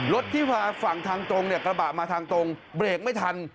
รถที่มาฝั่งทางตรงเนี่ยกระบะมาทางตรงเบรกไม่ทัน